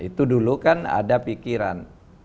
itu dulu kan ada pikiran